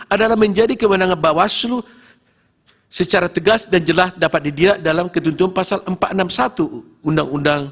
adalah menjadi kewenangan bawaslu secara tegas dan jelas dapat dilihat dalam ketentuan pasal empat ratus enam puluh satu undang undang